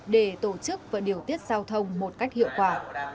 để tổ chức và điều tiết giao thông một cách hiệu quả